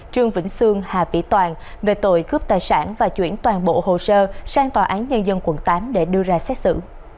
trương vĩnh sương hà vĩ toàn về tội cướp tài sản và chuyển toàn bộ hồ sơ sang tòa án nhân dân quận tám để đưa ra xét xử